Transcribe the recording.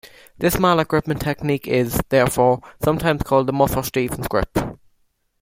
This mallet-gripping technique is, therefore, sometimes called the Musser-Stevens grip.